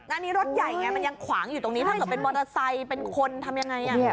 อันนี้รถใหญ่ไงมันยังขวางอยู่ตรงนี้ถ้าเกิดเป็นมอเตอร์ไซค์เป็นคนทำยังไง